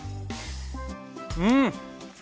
うん！